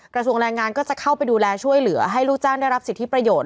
กระทรวงแรงงานก็จะเข้าไปดูแลช่วยเหลือให้ลูกจ้างได้รับสิทธิประโยชน